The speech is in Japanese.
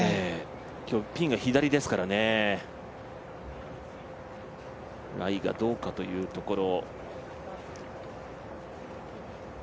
今日はピンが左ですからね、ライがどうかというところ。